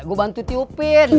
gua bantu tiupin